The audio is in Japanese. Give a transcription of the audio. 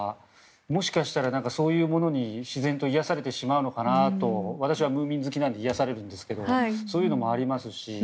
もしかしたらそういうものに自然と癒やされてしまうのかなと私はムーミン好きなので癒やされるんですけどそういうのもありますし。